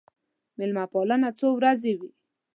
مېلمه پالنه څو ورځې وي.